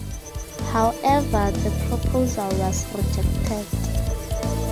However, the proposal was rejected.